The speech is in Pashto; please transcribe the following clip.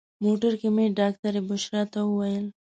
موټر کې مې ډاکټرې بشرا ته وویل.